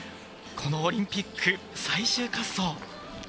このオリンピック、最終滑走。